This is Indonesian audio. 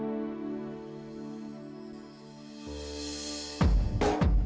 anggap dia keluarga kita